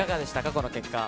この結果。